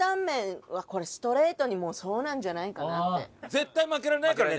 絶対負けられないからね！